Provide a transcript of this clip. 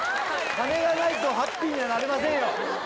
金がないとハッピーにはなれませんよ